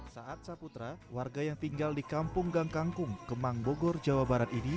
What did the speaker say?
saat saputra warga yang tinggal di kampung gangkangkung kemang bogor jawa barat ini